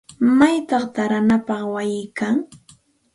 ¿Maychawta taaranapaq wayi kan?